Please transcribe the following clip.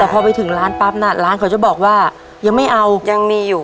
แต่พอไปถึงร้านปั๊บน่ะร้านเขาจะบอกว่ายังไม่เอายังมีอยู่